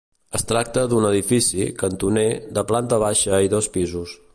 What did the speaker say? Es tracta d'un edifici, cantoner, de planta baixa i dos pisos.